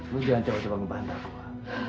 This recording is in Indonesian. lu jangan coba coba ngebantar gua